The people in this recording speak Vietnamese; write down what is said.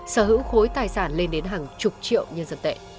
sở hữu khối tài sản lên đến hàng chục triệu nhân dân tệ